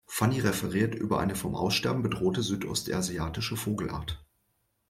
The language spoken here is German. Fanny referiert über eine vom Aussterben bedrohte südostasiatische Vogelart.